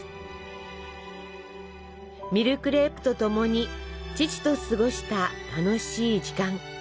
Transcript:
ミルクレープとともに父と過ごした楽しい時間。